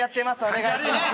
お願いします。